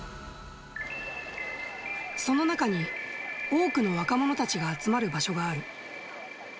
その中に、多くの若者たちが集まる場所がある。